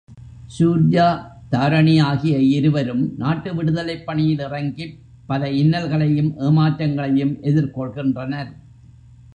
சூர்யா தாரிணி ஆகிய இருவரும் நாட்டு விடுதலைப் பணியில் இறங்கிப் பல இன்னல்களையும் ஏமாற்றங்களையும் எதிர்கொள்கின்றனர்.